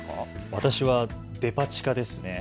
私はデパ地下です。